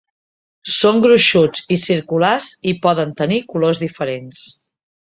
Són gruixuts i circulars i poden tenir colors diferents.